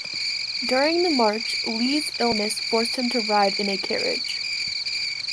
During the march, Lee's illness forced him to ride in a carriage.